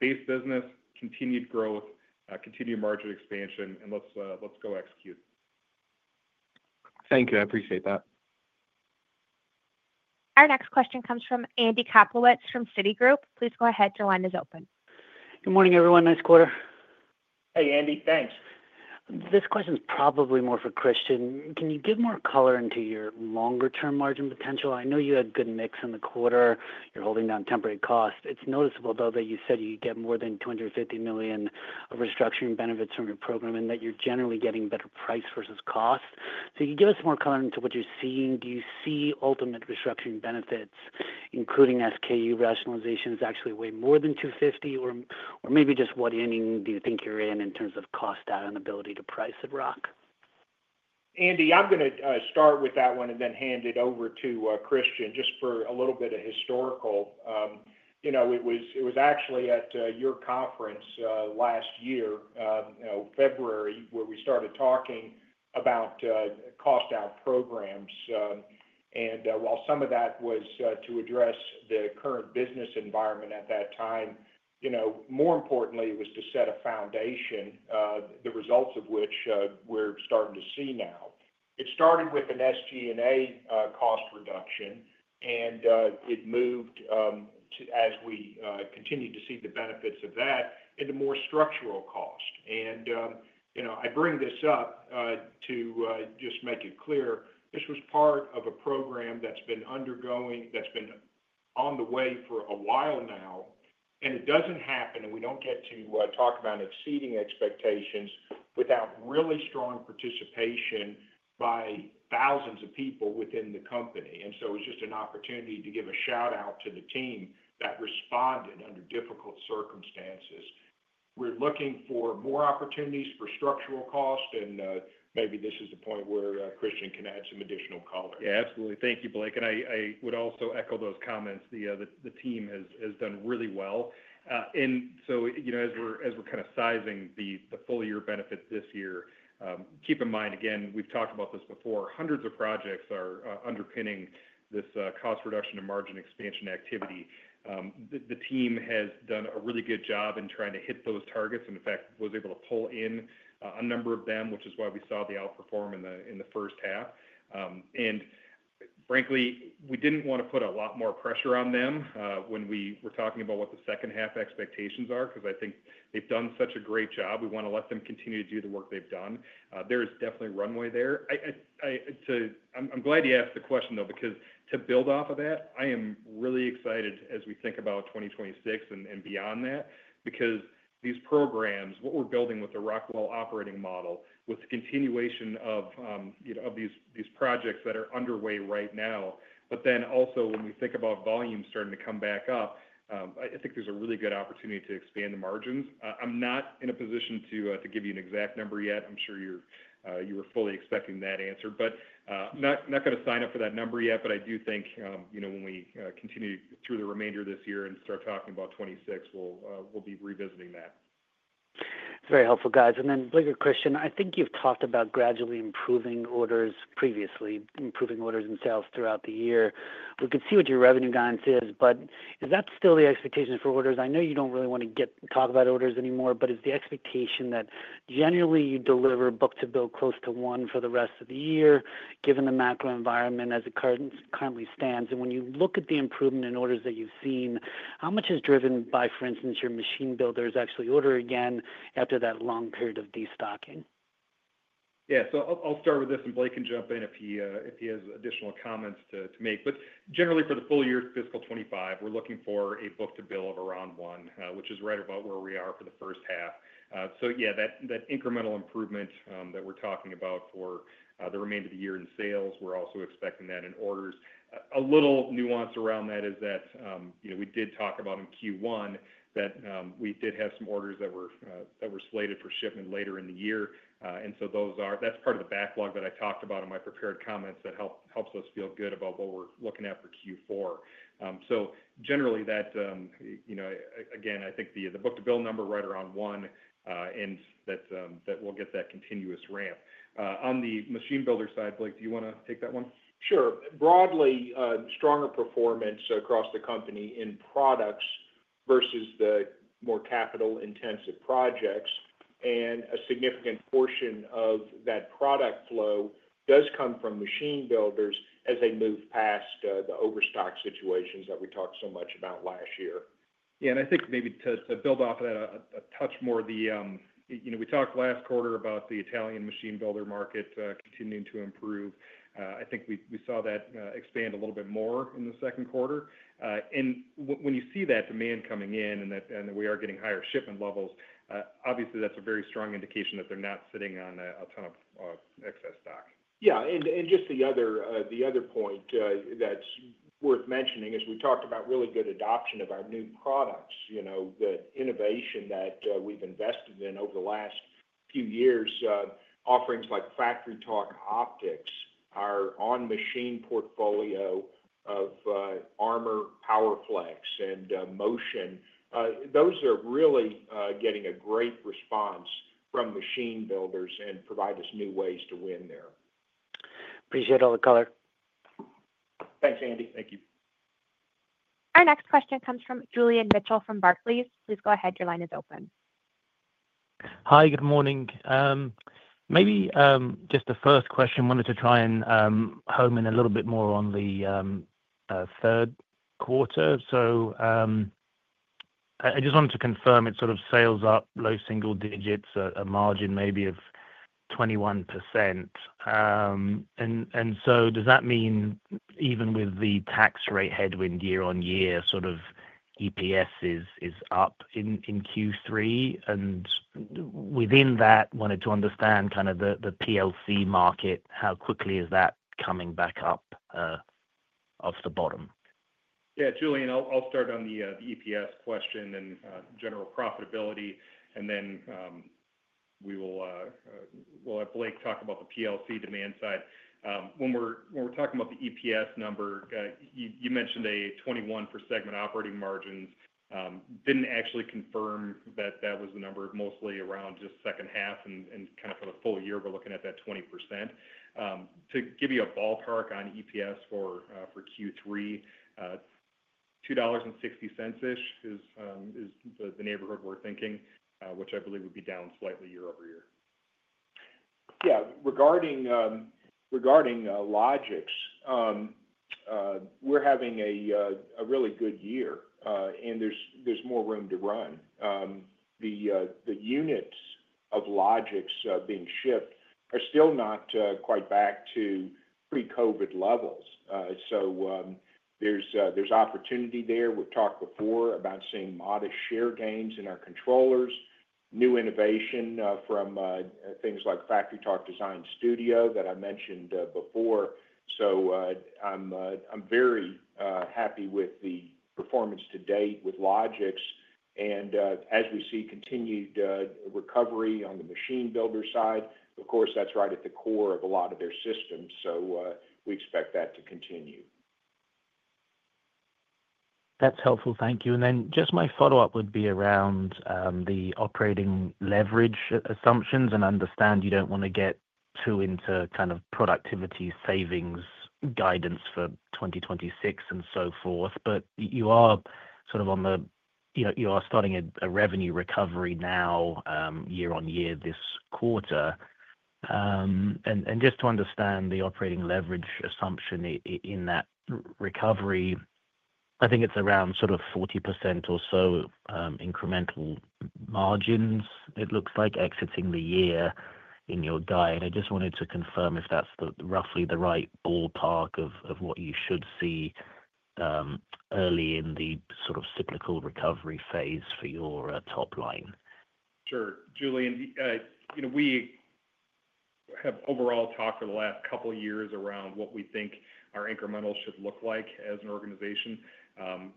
base business, continued growth, continued margin expansion, and let's go execute. Thank you. I appreciate that. Our next question comes from Andy Kaplowitz from Citigroup. Please go ahead. Your line is open. Good morning, everyone. Nice quarter. Hey, Andy. Thanks. This question's probably more for Christian. Can you give more color into your longer-term margin potential? I know you had good mix in the quarter. You're holding down temporary costs. It's noticeable, though, that you said you get more than $250 million of restructuring benefits from your program and that you're generally getting better price versus cost. So you can give us more color into what you're seeing. Do you see ultimate restructuring benefits, including SKU rationalizations, actually way more than $250 million? Or maybe just what ending do you think you're in in terms of cost out and ability to price at Rockwell? Andy, I'm going to start with that one and then hand it over to Christian just for a little bit of historical. You know, it was actually at your conference last year, February, where we started talking about cost-out programs. While some of that was to address the current business environment at that time, you know, more importantly, it was to set a foundation, the results of which we're starting to see now. It started with an SG&A cost reduction. It moved, as we continued to see the benefits of that, into more structural cost. You know, I bring this up to just make it clear. This was part of a program that's been undergoing, that's been on the way for a while now. It does not happen, and we do not get to talk about exceeding expectations without really strong participation by thousands of people within the company. It was just an opportunity to give a shout-out to the team that responded under difficult circumstances. We're looking for more opportunities for structural cost. Maybe this is the point where Christian can add some additional color. Yeah, absolutely. Thank you, Blake. I would also echo those comments. The team has done really well. As we're kind of sizing the full year benefit this year, keep in mind, again, we've talked about this before, hundreds of projects are underpinning this cost reduction and margin expansion activity. The team has done a really good job in trying to hit those targets. In fact, was able to pull in a number of them, which is why we saw the outperform in the first half. Frankly, we did not want to put a lot more pressure on them when we were talking about what the second half expectations are, because I think they've done such a great job. We want to let them continue to do the work they've done. There is definitely runway there. I'm glad you asked the question, though, because to build off of that, I am really excited as we think about 2026 and beyond that, because these programs, what we're building with the Rockwell operating model, with the continuation of these projects that are underway right now, but then also when we think about volumes starting to come back up, I think there's a really good opportunity to expand the margins. I'm not in a position to give you an exact number yet. I'm sure you were fully expecting that answer. I'm not going to sign up for that number yet. I do think, you know, when we continue through the remainder of this year and start talking about 2026, we'll be revisiting that. Very helpful, guys. Blake or Christian, I think you've talked about gradually improving orders previously, improving orders and sales throughout the year. We could see what your revenue guidance is. Is that still the expectation for orders? I know you don't really want to talk about orders anymore. Is the expectation that generally you deliver book to bill close to one for the rest of the year, given the macro environment as it currently stands? When you look at the improvement in orders that you've seen, how much is driven by, for instance, your machine builders actually ordering again after that long period of destocking? Yeah. I'll start with this. Blake can jump in if he has additional comments to make. Generally, for the full year fiscal 2025, we're looking for a book to bill of around one, which is right about where we are for the first half. Yeah, that incremental improvement that we're talking about for the remainder of the year in sales, we're also expecting that in orders. A little nuance around that is that, you know, we did talk about in Q1 that we did have some orders that were slated for shipment later in the year. Those are part of the backlog that I talked about in my prepared comments that helps us feel good about what we're looking at for Q4. Generally, again, I think the book to bill number right around one and that we'll get that continuous ramp. On the machine builder side, Blake, do you want to take that one? Sure. Broadly, stronger performance across the company in products versus the more capital-intensive projects. A significant portion of that product flow does come from machine builders as they move past the overstock situations that we talked so much about last year. Yeah. I think maybe to build off of that a touch more, you know, we talked last quarter about the Italian machine builder market continuing to improve. I think we saw that expand a little bit more in the second quarter. When you see that demand coming in and that we are getting higher shipment levels, obviously, that's a very strong indication that they're not sitting on a ton of excess stock. Yeah. Just the other point that's worth mentioning is we talked about really good adoption of our new products, you know, the innovation that we've invested in over the last few years. Offerings like FactoryTalk Optix, our on-machine portfolio of Armor PowerFlex, and Motion, those are really getting a great response from machine builders and provide us new ways to win there. Appreciate all the color. Thanks, Andy. Thank you. Our next question comes from Julian Mitchell from Barclays. Please go ahead. Your line is open. Hi. Good morning. Maybe just the first question, wanted to try and hone in a little bit more on the third quarter. I just wanted to confirm it sort of sales up, low single digits, a margin maybe of 21%. Does that mean even with the tax rate headwind year on year, sort of EPS is up in Q3? Within that, wanted to understand kind of the PLC market, how quickly is that coming back up off the bottom? Yeah. Julian, I'll start on the EPS question and general profitability. We'll have Blake talk about the PLC demand side. When we're talking about the EPS number, you mentioned a 21 for segment operating margins. You didn't actually confirm that that was the number, mostly around just second half. For the full year, we're looking at that 20%. To give you a ballpark on EPS for Q3, $2.60-ish is the neighborhood we're thinking, which I believe would be down slightly year over year. Yeah. Regarding Logix, we're having a really good year. There's more room to run. The units of Logix being shipped are still not quite back to pre-COVID levels. There's opportunity there. We've talked before about seeing modest share gains in our controllers, new innovation from things like FactoryTalk Design Studio that I mentioned before. I'm very happy with the performance to date with Logix. As we see continued recovery on the machine builder side, of course, that's right at the core of a lot of their systems. We expect that to continue. That's helpful. Thank you. My follow-up would be around the operating leverage assumptions. I understand you don't want to get too into kind of productivity savings guidance for 2026 and so forth. You are starting a revenue recovery now year on year this quarter. Just to understand the operating leverage assumption in that recovery, I think it's around 40% or so incremental margins, it looks like, exiting the year in your diet. I just wanted to confirm if that's roughly the right ballpark of what you should see early in the cyclical recovery phase for your top line. Sure. Julian, you know, we have overall talked for the last couple of years around what we think our incrementals should look like as an organization.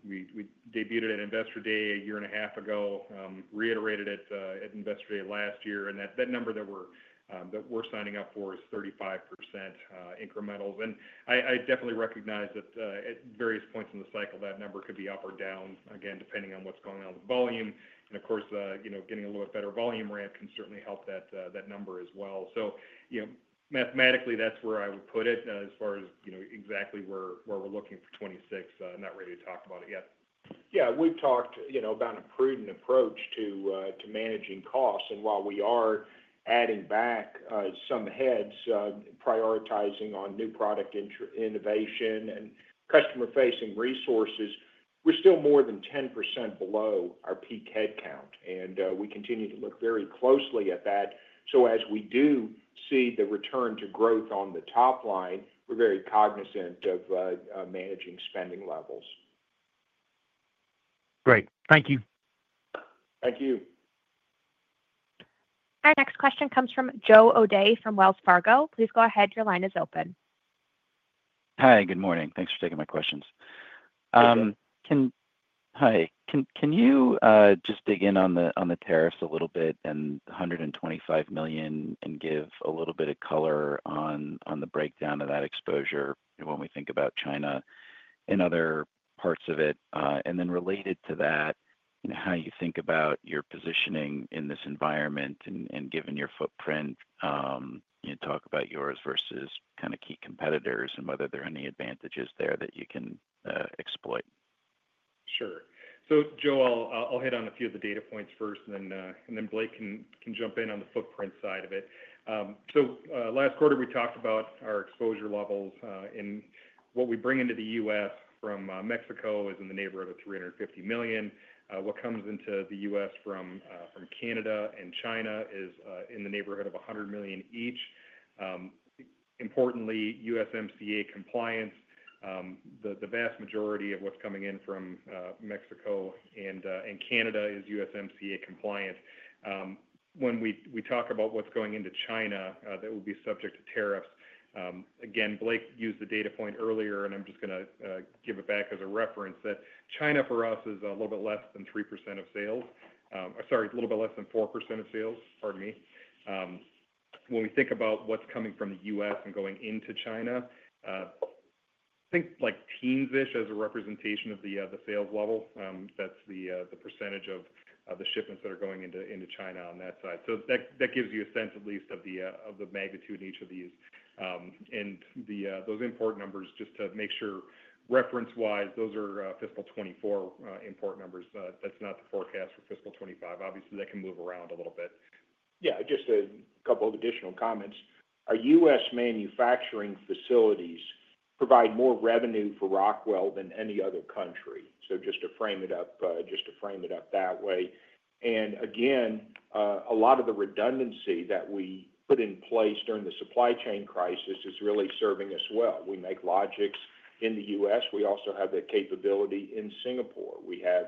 We debuted at Investor Day a year and a half ago, reiterated it at Investor Day last year. That number that we're signing up for is 35% incrementals. I definitely recognize that at various points in the cycle, that number could be up or down, again, depending on what's going on with volume. You know, getting a little bit better volume ramp can certainly help that number as well. Mathematically, that's where I would put it as far as, you know, exactly where we're looking for 26. I'm not ready to talk about it yet. Yeah. We've talked, you know, about a prudent approach to managing costs. While we are adding back some heads, prioritizing on new product innovation and customer-facing resources, we're still more than 10% below our peak headcount. We continue to look very closely at that. As we do see the return to growth on the top line, we're very cognizant of managing spending levels. Great. Thank you. Thank you. Our next question comes from Joe O'Dea from Wells Fargo. Please go ahead. Your line is open. Hi. Good morning. Thanks for taking my questions. Hi. Can you just dig in on the tariffs a little bit and $125 million and give a little bit of color on the breakdown of that exposure when we think about China and other parts of it? Related to that, you know, how you think about your positioning in this environment and given your footprint, you know, talk about yours versus kind of key competitors and whether there are any advantages there that you can exploit. Sure. Joe, I'll hit on a few of the data points first. Blake can jump in on the footprint side of it. Last quarter, we talked about our exposure levels. What we bring into the U.S. from Mexico is in the neighborhood of $350 million. What comes into the U.S. from Canada and China is in the neighborhood of $100 million each. Importantly, USMCA compliance. The vast majority of what's coming in from Mexico and Canada is USMCA compliant. When we talk about what's going into China that will be subject to tariffs, again, Blake used the data point earlier. I'm just going to give it back as a reference that China for us is a little bit less than 4% of sales. Pardon me. When we think about what's coming from the U.S. and going into China, I think like teens-ish as a representation of the sales level. That's the percentage of the shipments that are going into China on that side. That gives you a sense at least of the magnitude in each of these. Those import numbers, just to make sure reference-wise, those are fiscal 2024 import numbers. That's not the forecast for fiscal 2025. Obviously, that can move around a little bit. Yeah. Just a couple of additional comments. Our U.S. manufacturing facilities provide more revenue for Rockwell than any other country. Just to frame it up that way. Again, a lot of the redundancy that we put in place during the supply chain crisis is really serving us well. We make Logix in the U.S. We also have the capability in Singapore. We have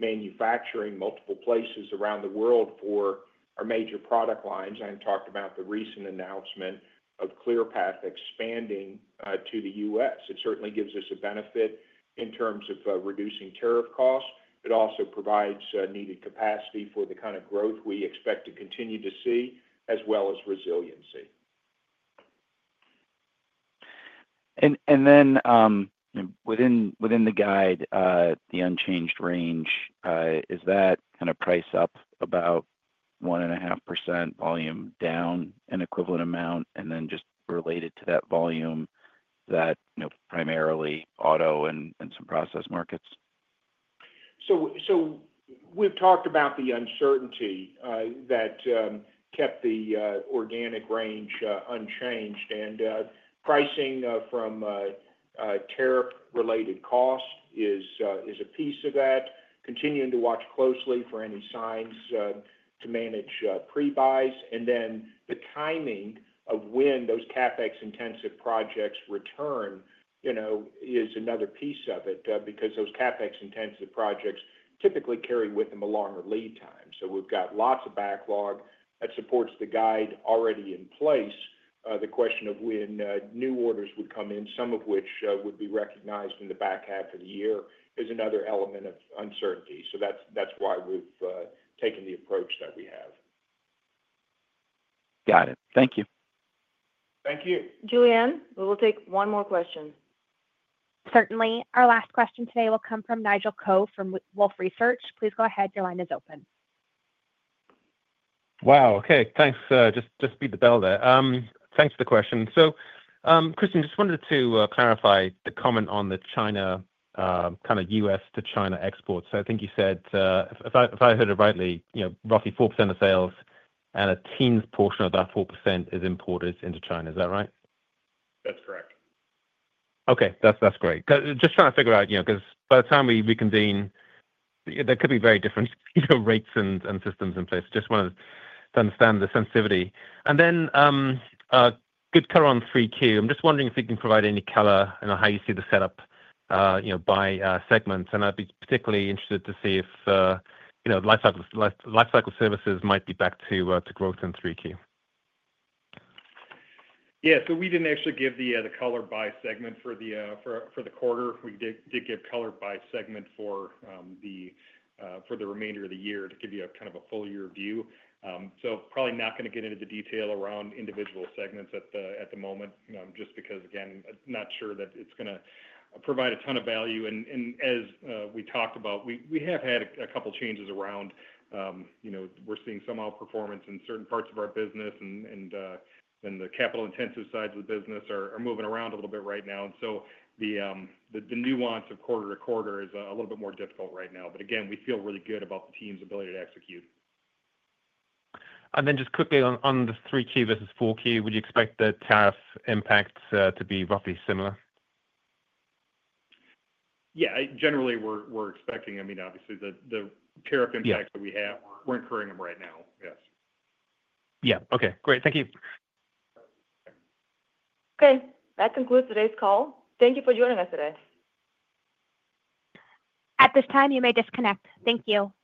manufacturing in multiple places around the world for our major product lines. I talked about the recent announcement of Clearpath expanding to the U.S. It certainly gives us a benefit in terms of reducing tariff costs. It also provides needed capacity for the kind of growth we expect to continue to see, as well as resiliency. Then within the guide, the unchanged range, is that kind of price up about 1.5% volume down an equivalent amount? Just related to that volume, is that primarily auto and some process markets? We have talked about the uncertainty that kept the organic range unchanged. Pricing from tariff-related cost is a piece of that. Continuing to watch closely for any signs to manage pre-buys. The timing of when those CapEx-intensive projects return, you know, is another piece of it because those CapEx-intensive projects typically carry with them a longer lead time. We have lots of backlog that supports the guide already in place. The question of when new orders would come in, some of which would be recognized in the back half of the year, is another element of uncertainty. That is why we have taken the approach that we have. Got it. Thank you. Thank you. Juliane, we will take one more question. Certainly. Our last question today will come from Nigel Coe from Wolfe Research. Please go ahead. Your line is open. Wow. Okay. Thanks. Just beat the bell there. Thanks for the question. So Christian. just wanted to clarify the comment on the China kind of U.S. to China exports. So I think you said, if I heard it rightly, you know, roughly 4% of sales and a teens portion of that 4% is imported into China. Is that right? That's correct. Okay. That's great. Just trying to figure out, you know, because by the time we reconvene, there could be very different rates and systems in place. Just wanted to understand the sensitivity. And then good color on 3Q. I'm just wondering if you can provide any color and how you see the setup, you know, by segments. And I'd be particularly interested to see if, you know, lifecycle services might be back to growth in 3Q. Yeah. So we didn't actually give the color by segment for the quarter. We did give color by segment for the remainder of the year to give you a kind of a full year view. Probably not going to get into the detail around individual segments at the moment, just because, again, not sure that it's going to provide a ton of value. As we talked about, we have had a couple of changes around, you know, we're seeing some outperformance in certain parts of our business. The capital-intensive sides of the business are moving around a little bit right now. The nuance of quarter to quarter is a little bit more difficult right now. Again, we feel really good about the team's ability to execute. Just quickly on the 3Q versus 4Q, would you expect the tariff impacts to be roughly similar? Yeah. Generally, we're expecting, I mean, obviously, the tariff impacts that we have, we're incurring them right now. Yes. Yeah. Okay. Great. Thank you. Okay. That concludes today's call. Thank you for joining us today. At this time, you may disconnect. Thank you.